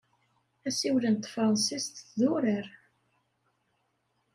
Assiwel n tefṛensist d urar.